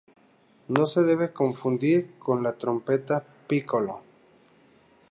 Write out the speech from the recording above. No se debe confundir con la trompeta piccolo.